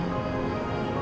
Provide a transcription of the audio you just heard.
dan dia masih istirahat